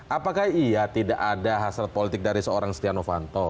apakah iya tidak ada hasrat politik dari seorang setia novanto